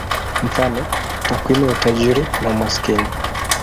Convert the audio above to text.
Mfano: takwimu ya utajiri na umaskini.